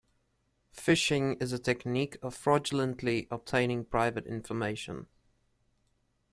Phishing is a technique of fraudulently obtaining private information.